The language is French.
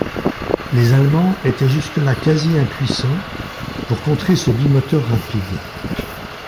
Les Allemands étaient jusque-là quasi impuissants pour contrer ce bimoteur rapide.